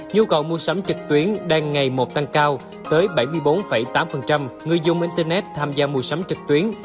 nhu cầu mua sắm trực tuyến đang ngày một tăng cao tới bảy mươi bốn tám người dùng internet tham gia mua sắm trực tuyến